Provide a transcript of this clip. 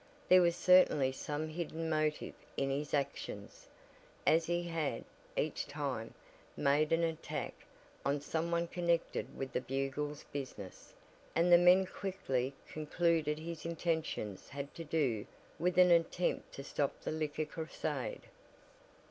There was certainly some hidden motive in his actions, as he had, each time, made an attack on some one connected with the Bugle's business, and the men quickly concluded his intentions had to do with an attempt to stop the Liquor Crusade.